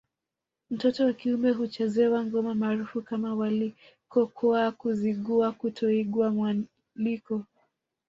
Mtoto wa kiume huchezewa ngoma maarufu kama mwalikokwa Kizigua kutoigwa mwaliko